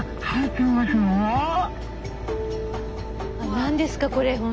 何ですかこれ本当。